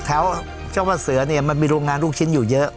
เจ้าว่าเสือเนี่ยมันมีโรงงานลูกชิ้นอยู่เยอะ